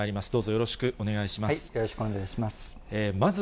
よろしくお願いします。